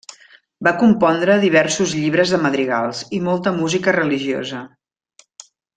Va compondre diversos llibres de madrigals, i molta música religiosa.